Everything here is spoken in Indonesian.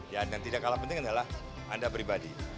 yang tidak kalah penting adalah anda pribadi